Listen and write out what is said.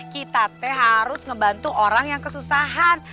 kita teh harus ngebantu orang yang kesusahan